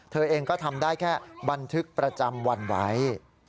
เธอเองก็ทำได้แค่บันทึกประจำวันไว้